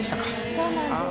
そうなんです。